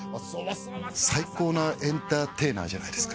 最高なエンターテイナーじゃないですか。